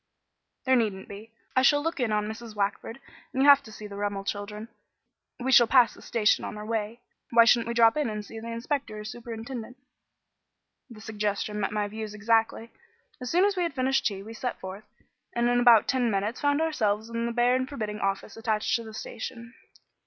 "There needn't be. I shall look in on Mrs. Wackford and you have to see the Rummel children; we shall pass the station on our way. Why shouldn't we drop in and see the inspector or superintendent?" The suggestion met my views exactly. As soon as we had finished tea, we set forth, and in about ten minutes found ourselves in the bare and forbidding office attached to the station.